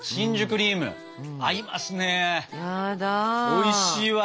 おいしいわ。